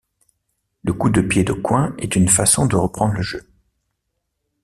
Le coup de pied de coin est une façon de reprendre le jeu.